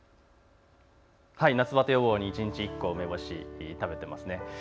夏バテ予防に一日１個梅干し食べてますね。